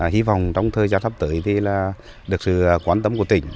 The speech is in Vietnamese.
hy vọng trong thời gian sắp tới thì được sự quan tâm của tỉnh